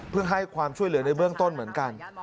เพื่อให้ความช่วยเหลือในเบื้องต้นเหมือนกัน